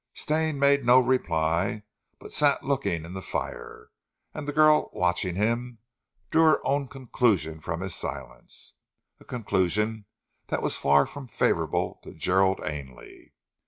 Stane made no reply, but sat looking in the fire, and the girl watching him, drew her own conclusion from his silence, a conclusion that was far from favourable to Gerald Ainley.